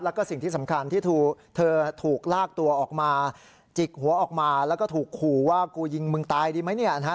แล้วก็สิ่งที่สำคัญที่เธอถูกลากตัวออกมาจิกหัวออกมาแล้วก็ถูกขู่ว่ากูยิงมึงตายดีไหมเนี่ยนะฮะ